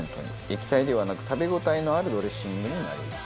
液体ではなく食べ応えのあるドレッシングになります。